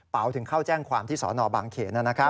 เป๋าถึงเข้าแจ้งความที่สอนอบางเขนนะครับ